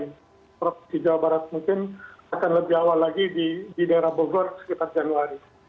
provinsi jawa barat mungkin akan lebih awal lagi di daerah bogor sekitar januari